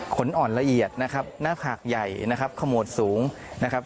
อ่อนละเอียดนะครับหน้าผากใหญ่นะครับขโมดสูงนะครับ